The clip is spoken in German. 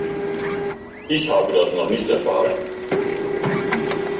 Ich habe das noch nicht erfahren.